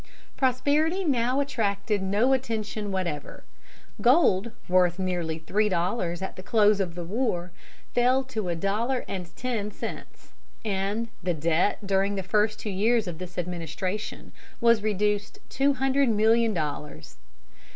Prosperity now attracted no attention whatever. Gold, worth nearly three dollars at the close of the war, fell to a dollar and ten cents, and the debt during the first two years of this administration was reduced two hundred million dollars.